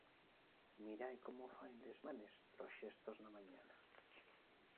Mirái cómo faen les manes los xestos na mañana.